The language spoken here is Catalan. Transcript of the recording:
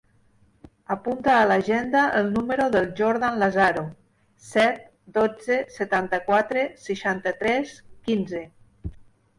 Apunta a l'agenda el número del Jordan Lazaro: set, dotze, setanta-quatre, seixanta-tres, quinze.